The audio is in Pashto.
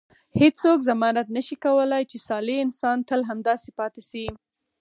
هیڅوک ضمانت نه شي کولای چې صالح انسان تل همداسې پاتې شي.